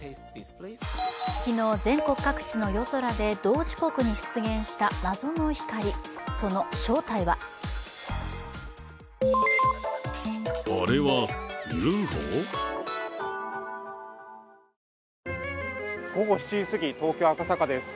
昨日、全国各地の夜空で同時刻に出現した謎の光、その正体は午後７時すぎ、東京・赤坂です。